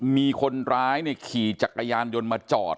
มีคนร้ายขี่จักรยานยนต์มาจอด